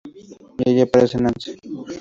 Y ahí aparece Nancy.